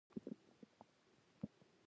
لار میله دې په بلا ولګي.